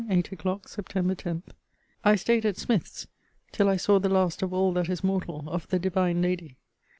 EIGHT O'CLOCK, SEPT. 10. I staid at Smith's till I saw the last of all that is mortal of the divine lady.